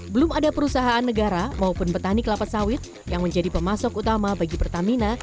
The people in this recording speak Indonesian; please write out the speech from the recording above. belum ada perusahaan negara maupun petani kelapa sawit yang menjadi pemasok utama bagi pertamina